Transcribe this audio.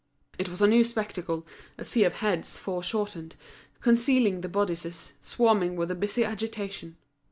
It was a new spectacle, a sea of heads fore shortened, concealing the bodices, swarming with a busy agitation.